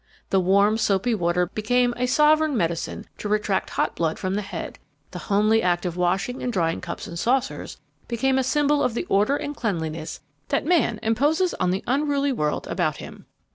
The warm, soapy water became a sovereign medicine to retract hot blood from the head; the homely act of washing and drying cups and saucers became a symbol of the order and cleanliness that man imposes on the unruly world about him.